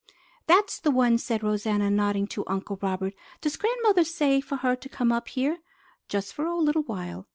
"That's the one!" said Rosanna, nodding to Uncle Robert. "Does grandmother say for her to come up here?" "Just for a little while."